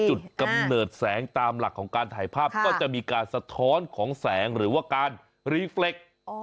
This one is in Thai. กำเนิดแสงตามหลักของการถ่ายภาพก็จะมีการสะท้อนของแสงหรือว่าการรีเฟค